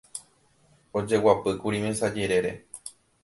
ojeguapýkuri mesa jerére